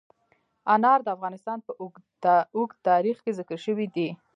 انار د افغانستان په اوږده تاریخ کې ذکر شوی دی.